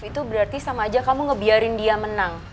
itu berarti sama aja kamu ngebiarin dia menang